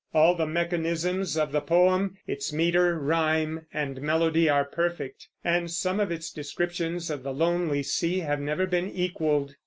All the mechanisms of the poem, its meter, rime, and melody are perfect; and some of its descriptions of the lonely sea have never been equaled.